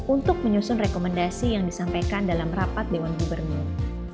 untuk menyusun rekomendasi yang disampaikan dalam rapat dewan gubernur